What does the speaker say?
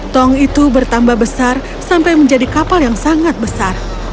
tong itu bertambah besar sampai menjadi kapal yang sangat besar